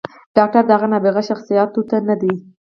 “ډاکتر د هغه نابغه شخصياتو نه دے